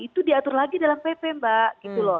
itu diatur lagi dalam pp mbak